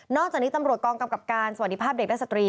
จากนี้ตำรวจกองกำกับการสวัสดีภาพเด็กและสตรี